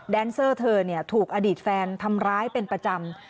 เซอร์เธอถูกอดีตแฟนทำร้ายเป็นประจำ